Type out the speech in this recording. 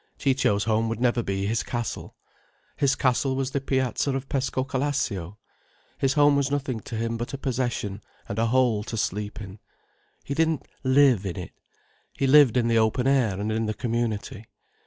Ciccio's home would never be his castle. His castle was the piazza of Pescocalascio. His home was nothing to him but a possession, and a hole to sleep in. He didn't live in it. He lived in the open air, and in the community.